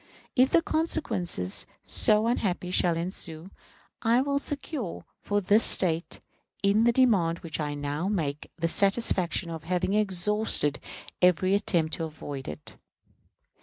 If consequences so unhappy shall ensue, I will secure for this State, in the demand which I now make, the satisfaction of having exhausted every attempt to avoid it.